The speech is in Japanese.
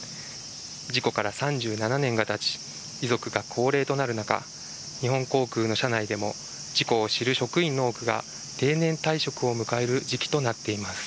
事故から３７年がたち遺族が高齢となる中、日本航空の社内でも事故を知る職員の多くが定年退職を迎える時期となっています。